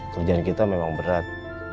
kerjaan kita memang berat